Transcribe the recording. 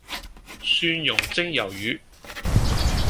蒜茸蒸魷魚